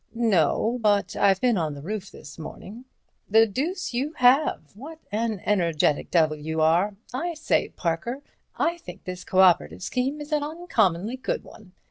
"No; but I've been on the roof this morning." "The deuce you have—what an energetic devil you are! I say, Parker, I think this co operative scheme is an uncommonly good one.